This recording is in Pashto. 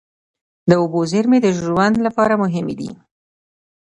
د اوبو زیرمې د ژوند لپاره مهمې دي.